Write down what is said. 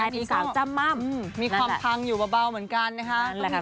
มีความพังอยู่เบาเหมือนกันนะคะ